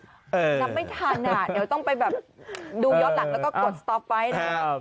นับไม่ทานาดต้องไปแบบดูยอดหลักแล้วก็กดต่อไปนะ